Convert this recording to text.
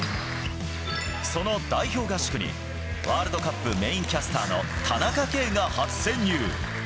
その代表合宿にワールドカップメインキャスターの田中圭が初潜入。